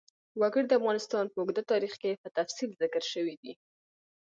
وګړي د افغانستان په اوږده تاریخ کې په تفصیل ذکر شوی دی.